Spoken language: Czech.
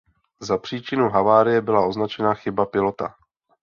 Za příčinu havárie byla označena chyba pilota.